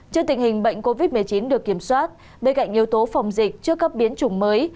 trước tình hình bệnh covid một mươi chín được kiểm soát bên cạnh yếu tố phòng dịch trước các biến chủng mới